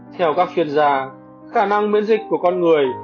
theo các chuyên gia khả năng miễn dịch của con người